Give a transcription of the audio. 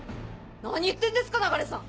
何言ってんですかナガレさん！